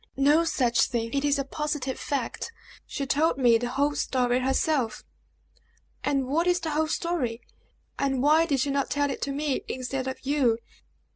"No such thing! It is a positive fact! She told me the whole story herself!" "And what is the whole story; and why did she not tell it to me instead of you."